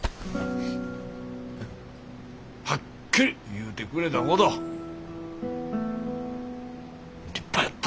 はっきり言うてくれたこと立派やった。